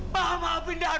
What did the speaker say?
maafkan aku liat